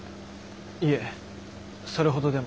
いえそれほどでも。